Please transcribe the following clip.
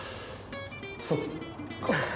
そっかあ。